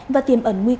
và tiềm ẩn nguy cơ